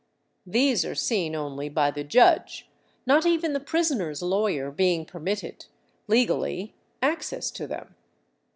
These are seen only by the judge, not even the prisoner's lawyer being permitted — legally — access to them.